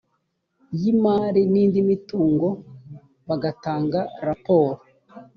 y imari n indi mitungo bagatanga raporo